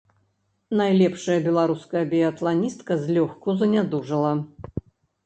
Найлепшая беларуская біятланістка злёгку занядужала.